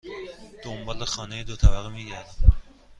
دنبال خانه دو طبقه می گردم.